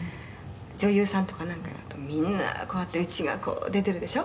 女優さんとかなんかだとみんなこうやって家が出てるでしょ？